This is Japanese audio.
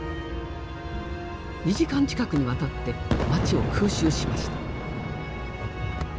２時間近くにわたって町を空襲しました。